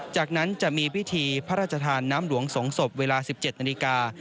จากนั้นจะมีพิธีพระราชทานน้ำหลวงสงศพเวลา๑๗นาฬิกา